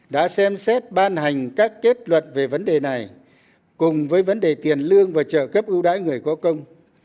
đã xem xét ban hành các kết luận về vấn đề này cùng với vấn đề tiền lương và trợ cấp ưu đãi người có công